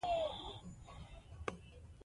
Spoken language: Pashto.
غوسه د ستونزو حل نه دی.